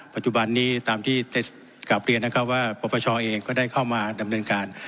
ปัจจุบันนี้ตามที่ได้กลับเรียนนะครับว่าปปชเองก็ได้เข้ามาดำเนินการ